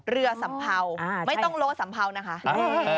สัมเภาไม่ต้องโลสัมเภานะคะ